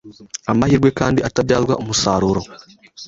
amahirwe knd atabyazwa umusaruro.